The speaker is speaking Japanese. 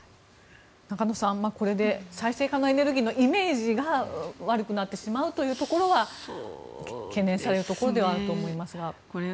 中野さん、これで再生可能エネルギーのイメージが悪くなってしまうというところは懸念されるところではあると思いますが。